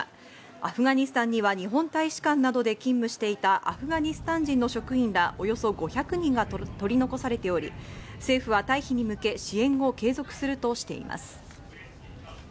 アフガニスタンには日本大使館などで勤務していた、アフガニスタン人の職員らおよそ５００人が取り残されており、政府は退避に向け支援を継続するとしています。